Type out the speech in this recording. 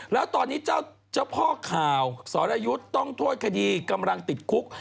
แล้วตอนนี้เจ้าพ่อข่าวสรยุทธ์ต้องโทษคดีกำลังติดคุก